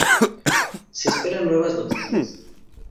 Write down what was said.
Se esperan nuevas noticias.